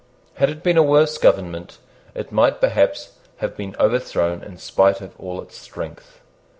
Had it been a worse government, it might perhaps have been overthrown in spite of all its strength.